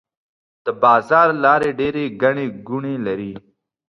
د بازار لارې ډيرې ګڼې ګوڼې لري.